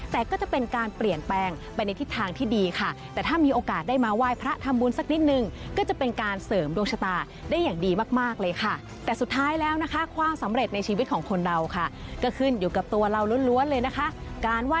แต่ก็จะเป็นการเปลี่ยนแปลงไปในทิศทางที่ดีค่ะแต่ถ้ามีโอกาสได้มาไหว้พระทำบุญสักนิดนึง